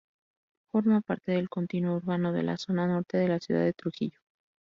Forma parte del continuo urbano de la zona norte de la ciudad de Trujillo.